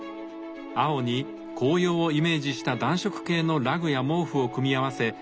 青に紅葉をイメージした暖色系のラグや毛布を組み合わせ